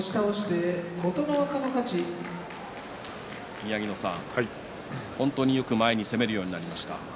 宮城野さん、本当によく前に攻めるようになりました。